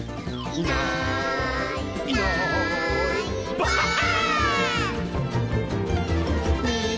「いないいないばあっ！」